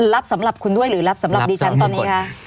รับสำหรับคุณด้วยหรือรับสำหรับดิฉันตอนนี้คะ